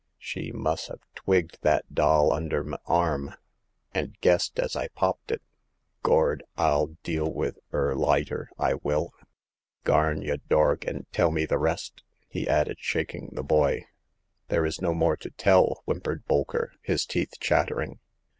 She' mus' ha* twigged that doll under m' arm, and guessed as I popped it. Gord ! ril deal with 'er laiter, I will ! Garn, y' dorg, and tell me th* rest !" he added, shaking the boy. There is no more to tell," whimpered Bolker, his teeth chattering.